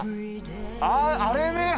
あっあれね！